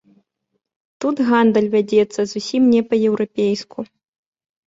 Тут гандаль вядзецца зусім не па-еўрапейску.